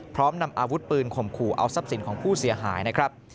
พร้อมนำอาวุธปืนข่มขู่เอาทรัพย์สินของผู้เสียหายนะครับ